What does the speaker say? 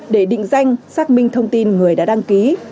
để định danh xác minh thông tin người đã đăng ký